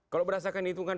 kalau berasakan itu kan